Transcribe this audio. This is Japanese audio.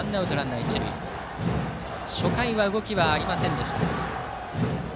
初回は動きはありませんでした。